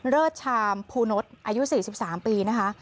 เลิศชามภูนตอายุสี่สิบสามปีนะคะ